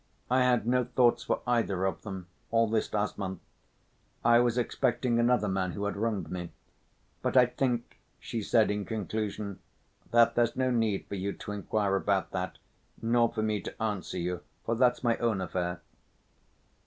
"I had no thoughts for either of them all this last month. I was expecting another man who had wronged me. But I think," she said in conclusion, "that there's no need for you to inquire about that, nor for me to answer you, for that's my own affair."